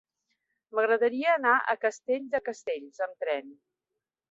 M'agradaria anar a Castell de Castells amb tren.